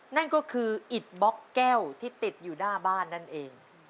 นั่นก็คืออิดบล็อกแก้วที่ติดอยู่หน้าบ้านนั่นเอง